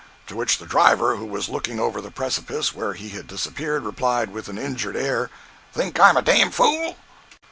To which the driver, who was looking over the precipice where he had disappeared, replied, with an injured air: "Think I'm a dam fool?"